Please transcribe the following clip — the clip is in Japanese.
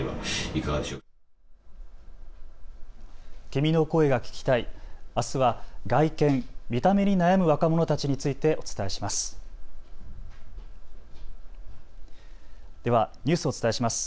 君の声が聴きたい、あすは外見、見た目に悩む若者たちについてお伝えします。